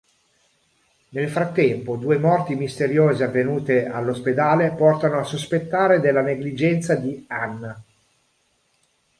Nel frattempo, due morti misteriose avvenute all'ospedale portano a sospettare della negligenza di Anne.